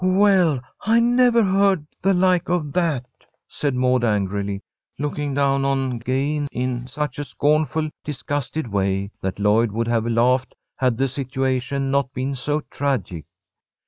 "Well, I never heard the like of that!" said Maud, angrily, looking down on Gay in such a scornful, disgusted way that Lloyd would have laughed had the situation not been so tragic.